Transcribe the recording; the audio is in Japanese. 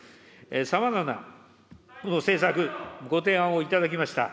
さまざまな政策、ご提案をいただきました。